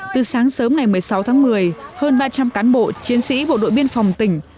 từ sáng sớm ngày một mươi sáu tháng một mươi hơn ba trăm linh cán bộ chiến sĩ bộ đội biên phòng tỉnh